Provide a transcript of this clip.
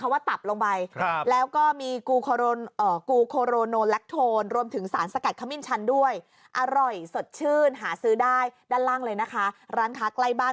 เขามีส่วนผสมจากปับไง